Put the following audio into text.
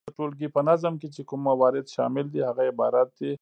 د ټولګي په نظم کي چي کوم موارد شامل دي هغه عبارت دي،